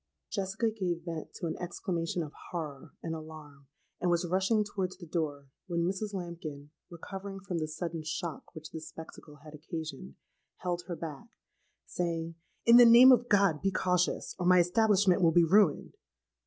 "Jessica gave vent to an exclamation of horror and alarm, and was rushing towards the door, when Mrs. Lambkin, recovering from the sudden shock which this spectacle had occasioned, held her back, saying, 'In the name of God be cautious; or my establishment will be ruined!'